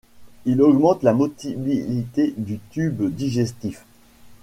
Il augmente la motilité du tube disgestif.